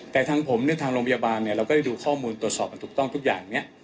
แต่ทางผมและทางโรงพยาบาลเราก็ได้ดูข้อมูลตรวจสอบถูกต้องทุกอย่าง